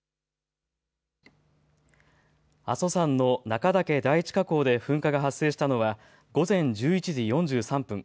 阿蘇山の中岳第一火口で噴火が発生したのは午前１１時４３分。